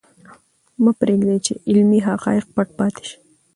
مه پرېږدئ چې علمي حقایق پټ پاتې شي.